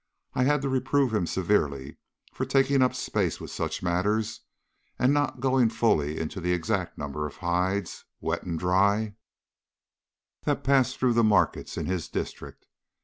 I had to reprove him severely for taking up space with such matters and not going fully into the exact number of hides, wet and dry, that passed through the markets in his district.